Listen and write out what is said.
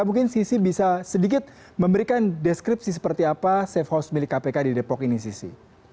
mungkin sisi bisa sedikit memberikan deskripsi seperti apa safe house milik kpk di depok ini sisi